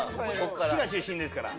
滋賀出身ですから。